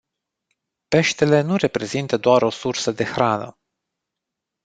Peștele nu reprezintă doar o sursă de hrană.